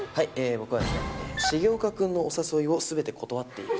僕はですね、重岡君のお誘いをすべて断っている。